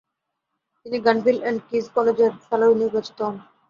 তিনি Gonville and Caius কলেজের ফেলো নির্বাচিত হন।